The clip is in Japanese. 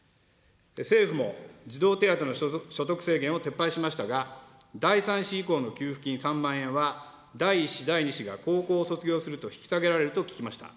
政府も児童手当の所得制限を撤廃しましたが、第３子以降の給付金３万円は、第１子、第２子が高校を卒業すると引き下げられると聞きました。